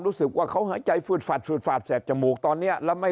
รู้สึกว่าเขาหายใจฟืดฝาดฟืดฝาดแสบจมูกตอนนี้แล้วไม่